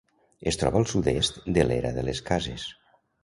Es troba al sud-est de l'Era de les Cases.